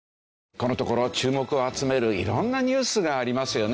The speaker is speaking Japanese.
このところ注目を集める色んなニュースがありますよね。